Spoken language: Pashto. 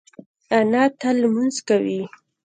انا تل لمونځ کوي